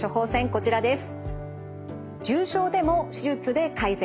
こちらです。